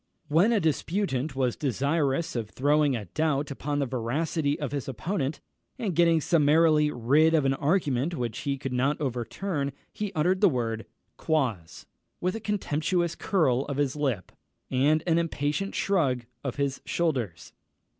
When a disputant was desirous of throwing a doubt upon the veracity of his opponent, and getting summarily rid of an argument which he could not overturn, he uttered the word Quoz, with a contemptuous curl of his lip, and an impatient shrug of his shoulders.